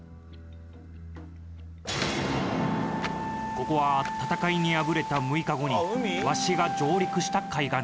ここは戦いに敗れた６日後にわしが上陸した海岸じゃ。